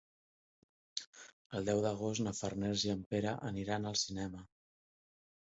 El deu d'agost na Farners i en Pere aniran al cinema.